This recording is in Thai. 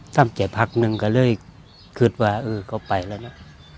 ทำใจพักหนึ่งก็เลยเกิดว่าเออเขาไปแล้วนะ